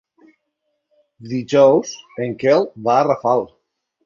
Dijous en Quel va a Rafal.